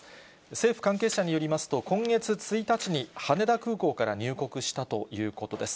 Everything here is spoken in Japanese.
政府関係者によりますと、今月１日に羽田空港から入国したということです。